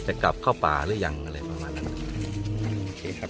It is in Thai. จะกลับเข้าป่าหรือยังอะไรประมาณนั้น